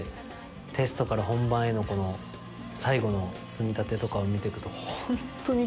テストから本番へのこの最後の積み立てとかを見ていくと。